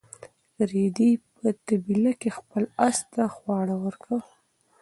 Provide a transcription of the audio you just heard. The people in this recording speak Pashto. رېدي په طبیله کې خپل اس ته خواړه ورکول.